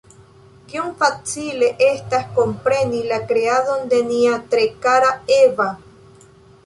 Kiom facile estas kompreni la kreadon de nia tre kara Eva!